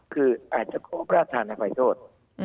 คืออาจจะครบราชธานอภัยโทษ